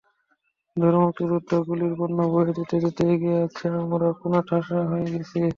ধরো মুক্তিযোদ্ধারা গুলির বন্যা বইয়ে দিতে দিতে এগিয়ে আসছে, আমরা কোণঠাসা হয়ে গেছি।